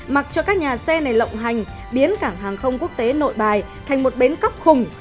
mặc cho các nhà xe này lộng hành biến cảng hàng không quốc tế nội bài thành một bến cóc khủng